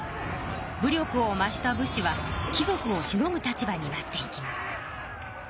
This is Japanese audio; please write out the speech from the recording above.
武力を増した武士は貴族をしのぐ立場になっていきます。